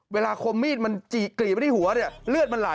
เวลาคมมีดมันกรีดไปที่หัวเลือดมันไหล